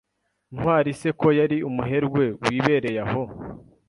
Ntwari se ko yari umuherwe wibereye aho